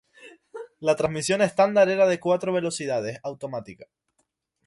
La transmisión estándar era de cuatro-velocidades automática.